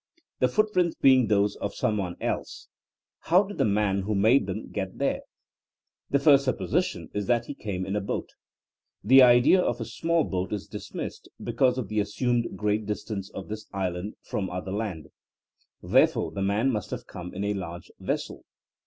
The footprints being those of some one else, how did the man who made them get THINEINa AS A SOIENOE 27 there ? The first supposition is that he came in a boat. The idea of a small boat is dismissed because of the assumed great distance of this island from other land. Therefore the man must have come in a large vessel.